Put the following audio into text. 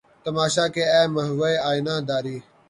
تماشا کہ اے محوِ آئینہ داری!